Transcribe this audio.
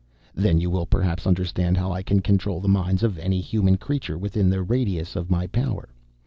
Then you will perhaps understand how I can control the minds of any human creature within the radius of my power.